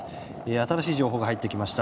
新しい情報が入ってきました。